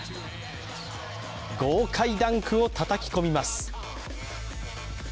豪快ダンクをたたき込みます。